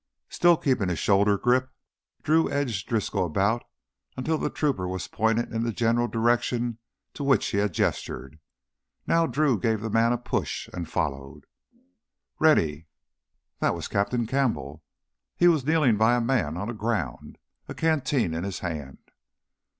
Still keeping his shoulder grip, Drew edged Driscoll about until the trooper was pointed in the general direction to which he had gestured. Now Drew gave the man a push and followed. "Rennie!" That was Captain Campbell. He was kneeling by a man on the ground, a canteen in his hand.